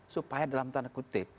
supaya dalam tanda kutip